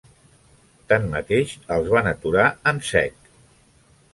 Tanmateix, els van aturar en sec.